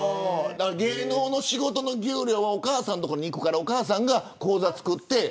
芸能の仕事の給料はお母さんのところにいくからお母さんが口座作って。